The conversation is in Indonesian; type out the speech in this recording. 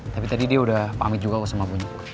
tapi tadi dia udah pamit juga gue sama boynya